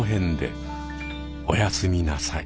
おやすみなさい。